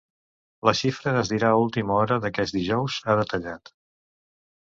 La xifra es dirà a última hora d’aquest dijous, ha detallat.